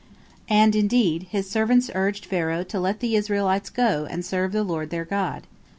And, indeed, his servants urged Pharaoh to let the Israelites go and serve the Lord their God.